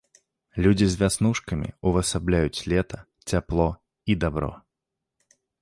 Людзі з вяснушкамі ўвасабляюць лета, цяпло і дабро.